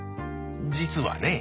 実はね